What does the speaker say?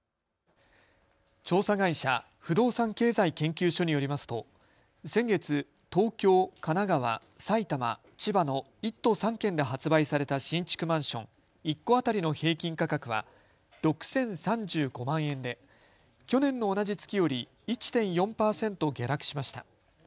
調査会社、不動産経済研究所によりますと先月、東京、神奈川、埼玉、千葉の１都３県で発売された新築マンション１戸当たりの平均価格は６０３５万円で去年の同じ月より１．４％下落しました。